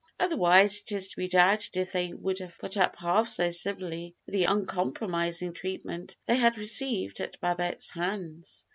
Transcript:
Otherwise it is to be doubted if they would have put up half so civilly with the uncompromising treatment they had received at Babette's hands.